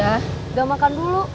enggak makan dulu